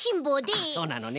あっそうなのね。